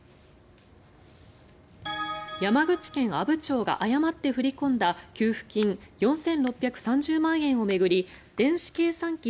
山口県阿武町が誤って振り込んだ給付金４６３０万円を巡り電子計算機